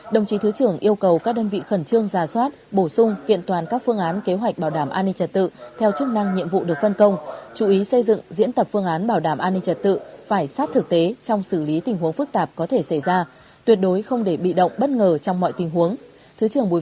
đồng chí thứ trưởng yêu cầu các đơn vị khẩn trương ra soát bổ sung kiện toàn các phương án kế hoạch bảo đảm an ninh trật tự theo chức năng nhiệm vụ được phân công chú ý xây dựng diễn tập phương án bảo đảm an ninh trật tự phải sát thực tế trong xử lý tình huống phức tạp có thể xảy ra tuyệt đối không để bị động bất ngờ trong mọi tình huống